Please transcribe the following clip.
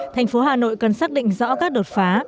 thành phố hà nội cần xác định rõ các đột phá